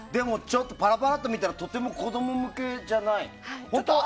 パラパラっと見たらとても子供向けじゃない。